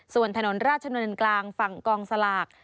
ส่วนถนนราชนนท์กลางฝั่งกองสลาก